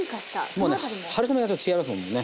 もうね春雨がちょっと違いますもんね。